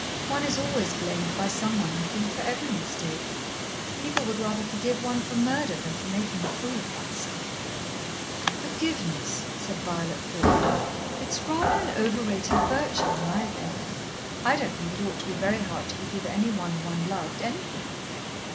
"One is always blamed by some one, I think, for every mistake. People would rather forgive one for murder, than for making a fool of oneself." "Forgiveness," said Violet thoughtfully. "It's rather an overrated virtue, in my opinion. I don't think it ought to be very hard to forgive any one one loved, anything."